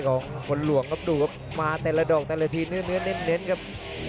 ตอนนี้น้องบอกว่าชื่นชมเลยครับ